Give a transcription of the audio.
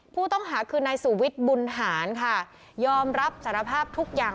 ผู้ต้องหาคือนายสุวิทย์บุญหารค่ะยอมรับสารภาพทุกอย่าง